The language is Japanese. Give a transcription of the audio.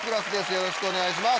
よろしくお願いします。